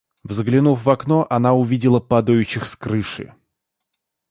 Взглянув в окно, она увидела падающих с крыши.